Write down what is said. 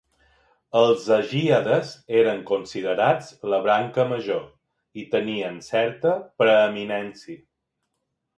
Els agíades eren considerats la branca major i tenien certa preeminència.